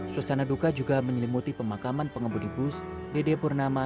suasana duka juga menyelimuti pemakaman pengembudi bus dede purnama